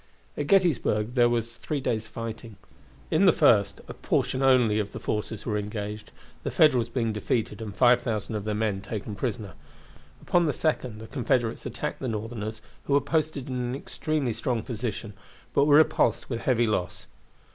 At Gettysburg there was three days' fighting. In the first a portion only of the forces were engaged, the Federals being defeated and 5,000 of their men taken prisoners. Upon the second the Confederates attacked the Northerners, who were posted in an extremely strong position, but were repulsed with heavy loss.